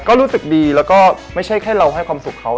ก็รู้สึกดีแล้วก็ไม่ใช่แค่เราให้ความสุขเขา